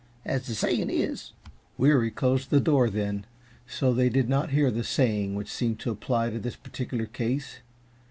As the sayin' is " Weary closed the door then, so they did not hear the saying which seemed to apply to this particular case.